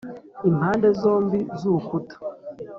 Impande zombi z urukuta